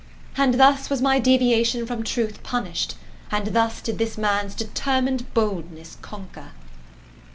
And thus was my deviation from truth punished; and thus did this man's determined boldness conquer.